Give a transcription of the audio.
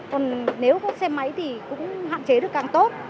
còn nếu có xe máy thì cũng hạn chế được càng tốt